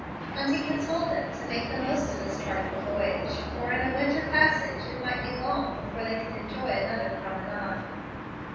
Hunting had told them to make the most of this part of the voyage, for in a winter passage it might be long before they could enjoy another promenade.